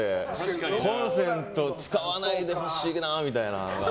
コンセント使わないでほしいなみたいな。